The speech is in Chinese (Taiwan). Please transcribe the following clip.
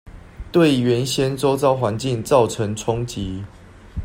對原先週遭環境造成衝擊